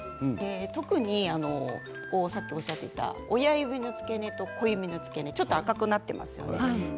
特に、さっきおっしゃっていた親指の付け根と小指の付け根ちょっと赤くなっていますよね